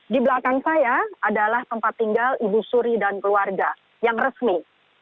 di belakang saya adalah tempat tinggal ibu suri dan keluarga yang resmi